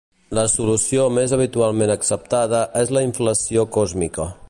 La solució més habitualment acceptada és la inflació còsmica.